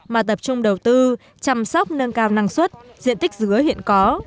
mà tập trung đầu tư chăm sóc nâng cao năng suất diện tích dứa hiện có